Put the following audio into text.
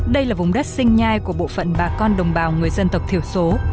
đây là vùng đất sinh nhai của bộ phận bà con đồng bào người dân tộc thiểu số